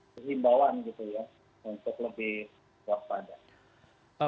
keimbauan gitu ya untuk lebih kuat padat